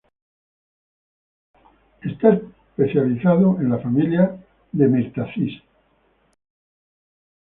Está especializado en la familia de Myrtaceae.